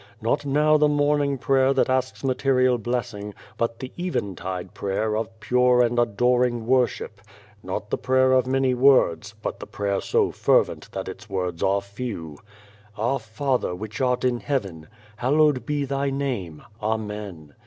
Not now the morning prayer that asks material blessing, but the eventide prayer of pure and adoring worship ; not the prayer of many words, but the prayer so fervent that its words are few. * Our Father, which art in heaven. Hallowed be Thy Name. Amen.'